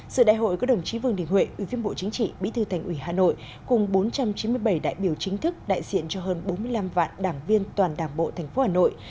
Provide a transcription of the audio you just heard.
sự đại hội có đồng chí vương đình huệ ủy viên bộ chính trị bí thư thành ủy hà nội cùng bốn trăm chín mươi bảy đại biểu chính thức đại diện cho hơn bốn mươi năm vạn đảng viên toàn đảng bộ tp hà nội